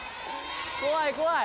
怖い怖い。